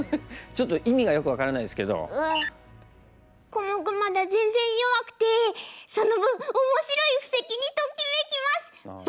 コモクまだ全然弱くてその分面白い布石にときめきます！